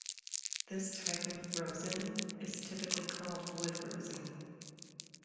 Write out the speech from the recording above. This type of rosin is typically called wood rosin.